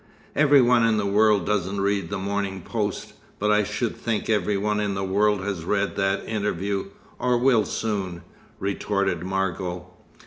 "Every one in the world doesn't read The Morning Post. But I should think every one in the world has read that interview, or will soon," retorted Margot.